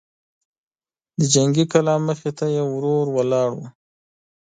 د جنګي کلا مخې ته يې ورور ولاړ و.